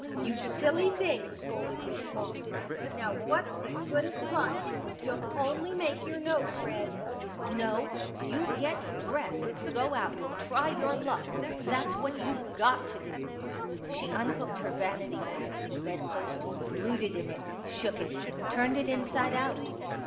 " You silly thing," scolded Miss Moss. " Now what's the good of crying : you'll only make your i6o Pictures nose red. No, you get dressed and go out and try your luck — that's what youVe got to do." She unhooked her vanity bag from the bedpost, rooted in it, shook it, turned it inside out.